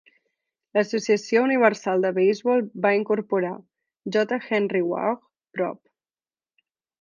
L'Associació Universal de Beisbol, va incorporar J. Henry Waugh, Prop.